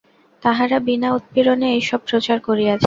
তাহারা বিনা উৎপীড়নে এইসব প্রচার করিয়াছে।